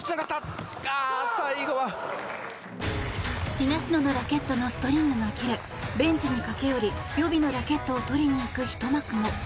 東野のラケットのストリングが切れベンチに駆け寄り予備のラケットを取りに行くひと幕も。